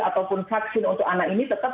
ataupun vaksin untuk anak ini tetap